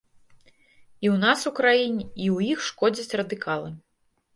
І ў нас у краіне, і ў іх шкодзяць радыкалы.